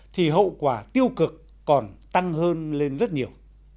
thì hậu quả tiêu cực còn tăng hơn lên rất nhiều